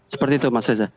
seperti itu mas reza